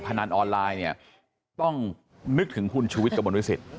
พนันออนไลน์เนี่ยต้องนึกถึงคุณชูวิทย์กระมวลวิสิต